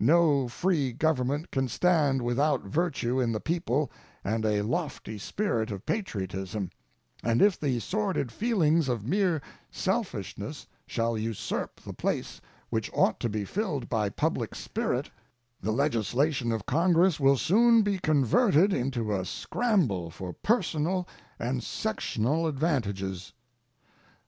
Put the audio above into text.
No free government can stand without virtue in the people and a lofty spirit of patriotism, and if the sordid feelings of mere selfishness shall usurp the place which ought to be filled by public spirit, the legislation of Congress will soon be converted into a scramble for personal and sectional advantages.